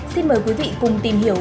xin mời quý vị cùng tìm hiểu